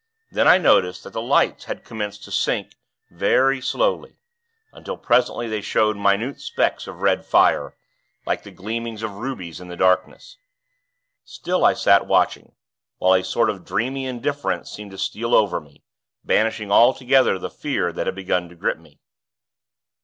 Then I noticed that the lights had commenced to sink, very slowly; until presently they showed minute specks of red fire, like the gleamings of rubies in the darkness. Still, I sat watching; while a sort of dreamy indifference seemed to steal over me; banishing altogether the fear that had begun to grip me.